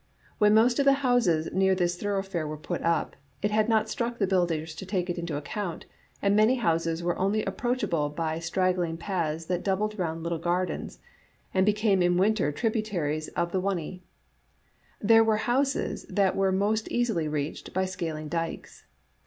When most of the houses near this thoroughfare were put up, it had not struck the builders to take it into account, and many houses were only approachable by straggling paths that doubled round little gardens, and became in winter tributaries of the Whunny. There were houses that were most easily reached by scaling dikes.